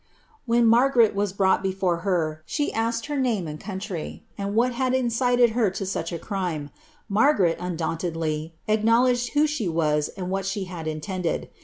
When Margaret was brought before her, she asked her name and cnun IrA , and what had incited her to such a crime. Mai^rei, undauniediy. acknowledged who she was. and what she had intended.